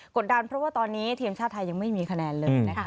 ดดันเพราะว่าตอนนี้ทีมชาติไทยยังไม่มีคะแนนเลยนะคะ